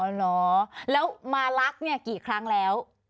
อ๋อหรอแล้วมารักกี่ครั้งแล้ว